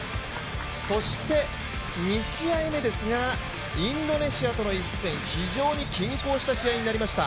そして２試合目ですがインドネシアとの一戦、非常に均衡した試合になりました。